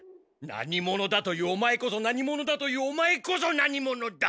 何者だと言うオマエこそ何者だと言うオマエこそ何者だ！